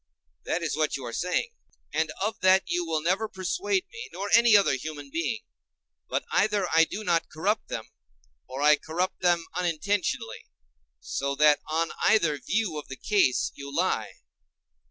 that is what you are saying, and of that you will never persuade me or any other human being. But either I do not corrupt them, or I corrupt them unintentionally, so that on either view of the case you lie.